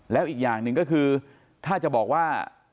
แล้วอีกอย่างหนึ่งก็คือถ้าจะบอกว่า